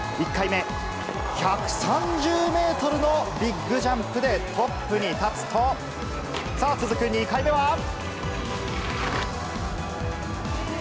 １回目、１３０メートルのビッグジャンプでトップに立つと、さあ、続く２回目は。